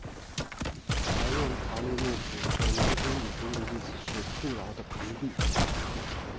白彦陶力木湖在蒙古语中的意思是富饶的盆地。